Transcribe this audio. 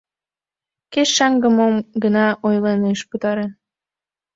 Кеч шаҥге мом гына ойлен ыш пытаре...